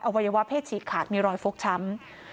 วัยวะเพศฉีกขาดมีรอยฟกช้ำ